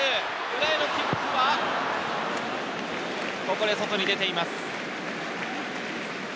裏へのキックは、ここで外に出ています。